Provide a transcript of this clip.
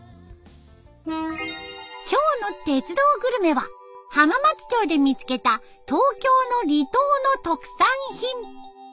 今日の「鉄道グルメ」は浜松町で見つけた東京の離島の特産品。